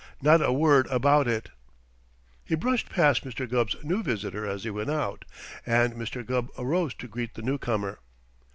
Not a word about it!" He brushed past Mr. Gubb's new visitor as he went out, and Mr. Gubb arose to greet the newcomer.